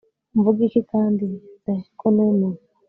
mvuge iki kandi?se ko numiwe